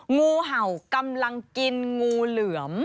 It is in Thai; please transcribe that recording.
งูเห่ากำลังกินงูเหลือม